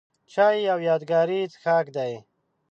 چای یو یادګاري څښاک دی.